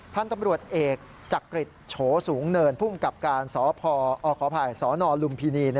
พ่อนตำรวจเอกจักริจโฉสูงเนินผู้กับการสพอคพสนลุมพินี